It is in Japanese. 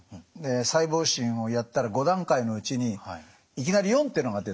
細胞診をやったら５段階のうちにいきなり４ってのが出たんですね。